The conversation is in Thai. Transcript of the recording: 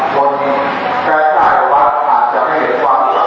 ต้องมีมการตายแพ้เวลานี่แหละ